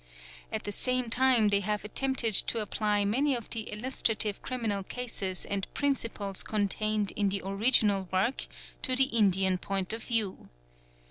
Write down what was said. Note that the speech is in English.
At the same time they have 1 attempted to apply many of the illustrative criminal cases and principles _ contained in the original work to the Indian point of view.